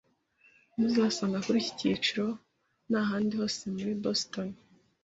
Ntuzabasanga kuri iki giciro nahandi hose muri Boston.